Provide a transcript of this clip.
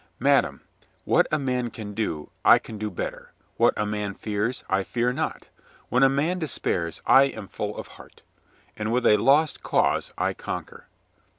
"Madame, what a man can do, I can do better. What a man fears, I fear not. When a man despairs, I am full of heart And with a lost cause I conquer."